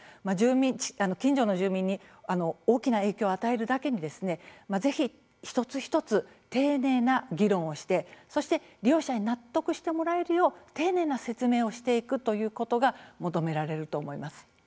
近所の住民に大きな影響を与えるだけにぜひ一つ一つ丁寧な議論をしてそして利用者に納得してもらえるよう丁寧な説明をしていくということが求められると思います。